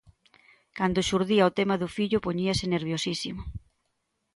Cando xurdía o tema do fillo poñíase nerviosísimo.